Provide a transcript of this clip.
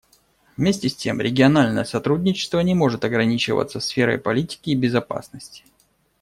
Вместе с тем региональное сотрудничество не может ограничиваться сферой политики и безопасности.